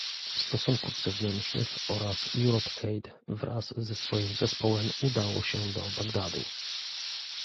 Stosunków Zewnętrznych oraz EuropeAid wraz ze swoim zespołem udało się do Bagdadu